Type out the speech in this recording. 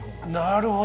なるほど。